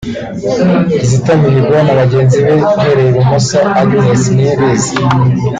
Kizito Mihigo na bagenzi be (uhereye ibumoso Agnes Niyibizi